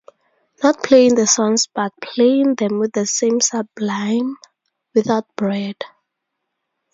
Not playing the songs but playing them with the name Sublime, without Brad.